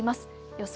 予想